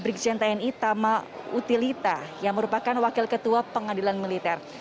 brigjen tni tama utilita yang merupakan wakil ketua pengadilan militer